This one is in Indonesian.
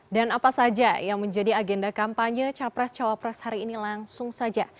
dan apa saja yang menjadi agenda kampanye capres cawapres hari ini langsung saja